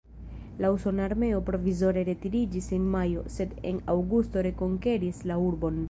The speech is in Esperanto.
La usona armeo provizore retiriĝis en majo, sed en aŭgusto rekonkeris la urbon.